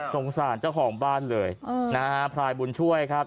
สงสารเจ้าของบ้านเลยนะฮะพลายบุญช่วยครับ